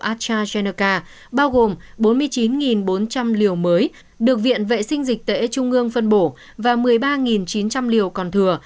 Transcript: astrazeneca bao gồm bốn mươi chín bốn trăm linh liều mới được viện vệ sinh dịch tễ trung ương phân bổ và một mươi ba chín trăm linh liều còn thừa